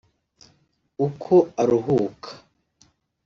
uko aruhuka